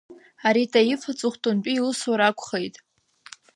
Ари Таиф аҵыхәтәантәи иусура акәхеит.